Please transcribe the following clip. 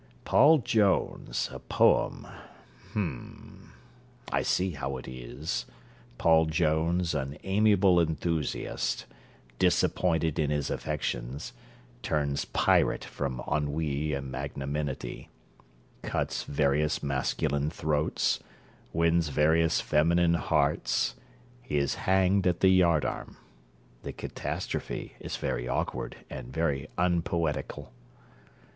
'Paul Jones, a poem.' Hm. I see how it is. Paul Jones, an amiable enthusiast disappointed in his affections turns pirate from ennui and magnanimity cuts various masculine throats, wins various feminine hearts is hanged at the yard arm! The catastrophe is very awkward, and very unpoetical.